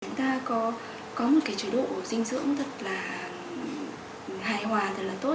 chúng ta có một cái chế độ dinh dưỡng thật là hài hòa thật là tốt